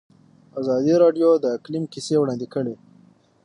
ازادي راډیو د اقلیم کیسې وړاندې کړي.